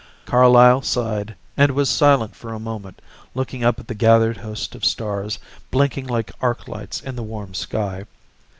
Carlyle sighed and was silent for a moment looking up at the gathered host of stars blinking like arc lights in the warm sky.